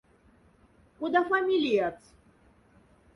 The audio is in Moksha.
Кода фамилияц?